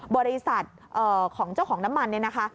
บริษัทของเจ้าของน้ำมันเนี่ยนะคะ